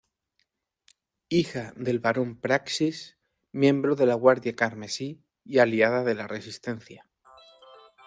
Hija del Barón Praxis, miembro de la Guardia Carmesí y aliada de La Resistencia.